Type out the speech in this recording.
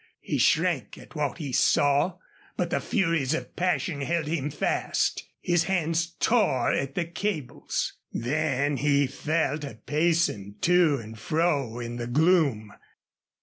He shrank at what he saw, but the furies of passion held him fast. His hands tore at the cables. Then he fell to pacing to and fro in the gloom.